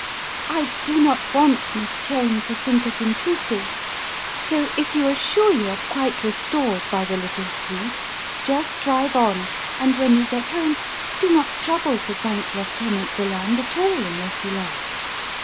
I do not want Miss Cheyne to think us intrusive, so if you are sure you are quite restored by the little sleep just drive on 14 The Riddle of the Purple Emperor and when you get home, do not trouble to thank Lieutenant Deland at all unless you like.